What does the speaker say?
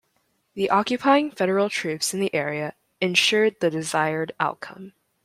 The occupying Federal troops in the area ensured the desired outcome.